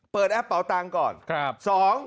๑เปิดแอปเป่าตังค์ก่อน